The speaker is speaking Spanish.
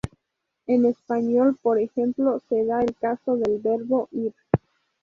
En español, por ejemplo, se da el caso del verbo "ir".